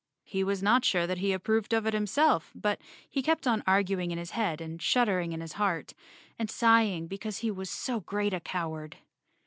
He was not sure that he approved of it himself, but he kept on arguing in his head and shuddering in his heart, and sighing because he was so great a cow¬ ard.